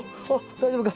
大丈夫か？